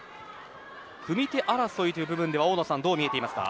組み手争いという部分では大野さんはどうみていますか。